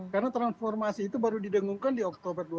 karena transformasi itu baru didengungkan di oktober